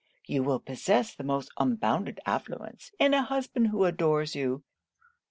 You will possess the most unbounded affluence, and a husband who adores you.